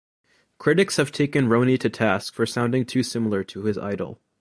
Critics have taken Roney to task for sounding too similar to his idol.